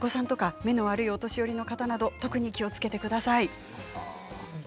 小さいお子さんや目の悪いお年寄りの方など特にお気をつけください。